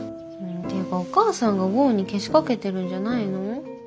っていうかお母さんが剛にけしかけてるんじゃないの？